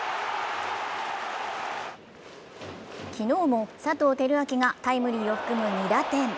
昨日も佐藤輝明がタイムリーを含む２打点。